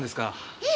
ええ。